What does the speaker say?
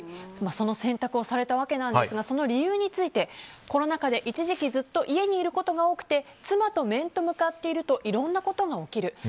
その選択をされたわけですがその理由についてコロナ禍で一時期ずっと家にいることが多くて妻と面と向かっているといろんなことが起きる。